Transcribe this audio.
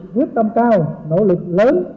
quyết tâm cao nỗ lực lớn